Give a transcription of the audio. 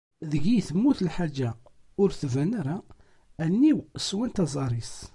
Deg-i temmut lḥaǧa ur tban ara, allen-iw swant aẓar-is.